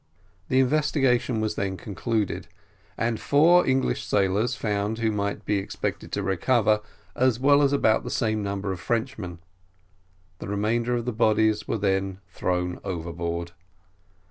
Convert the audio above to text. The investigation was then continued, and four English sailors found who might be expected to recover, as well as about the same number of Frenchmen; the remainder of the bodies were then thrown overboard.